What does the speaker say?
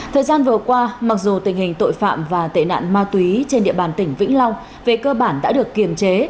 thời gian vừa qua mặc dù tình hình tội phạm và tệ nạn ma túy trên địa bàn tỉnh vĩnh long về cơ bản đã được kiềm chế